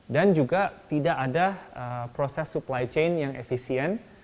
dan juga tidak ada proses supply chain yang efisien